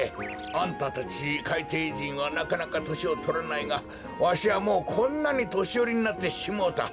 あんたたちかいていじんはなかなかとしをとらないがわしはもうこんなにとしよりになってしもうた。